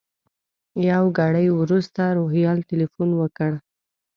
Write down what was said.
یو ګړی وروسته روهیال تیلفون وکړ.